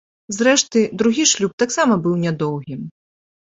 Зрэшты, другі шлюб таксама быў нядоўгім.